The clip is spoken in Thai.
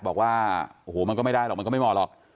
บอกว่าโอ้โหมันก็ไม่ได้หรอกมันก็ไม่เหมาะหรอก